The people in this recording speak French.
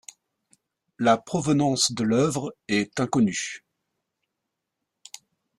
La provenance de l'œuvre est inconnue.